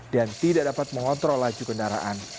dan tidak dapat mengontrol laju kendaraan